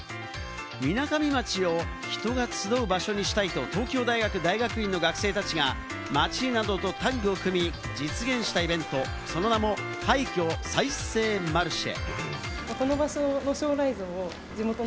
みなかみ町を人が集う場所にしたいと、東京大学大学院の学生たちが町などとタッグを組み、実現したイベント、その名も廃墟再生マルシェ。